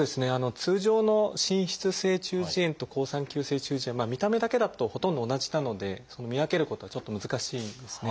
通常の滲出性中耳炎と好酸球性中耳炎見た目だけだとほとんど同じなので見分けることはちょっと難しいですね。